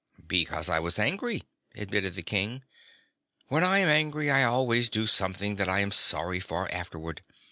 "Because I was angry," admitted the King. "When I am angry I always do something that I am sorry for afterward.